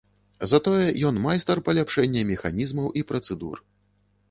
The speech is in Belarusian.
Затое ён майстар паляпшэння механізмаў і працэдур.